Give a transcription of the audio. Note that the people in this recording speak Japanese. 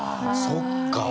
そっか。